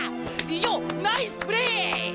よっナイスプレー！